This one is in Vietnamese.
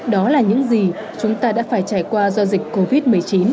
đó là những gì chúng ta đã phải trải qua do dịch covid một mươi chín